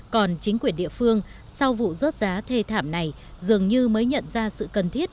còn chính quyền địa phương sau vụ rớt giá thê thảm này dường như mới nhận ra sự cần thiết